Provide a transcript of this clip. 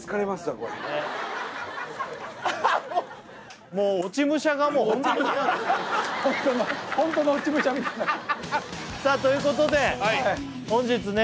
これもう落ち武者がもう落ち武者になってるさあということで本日ね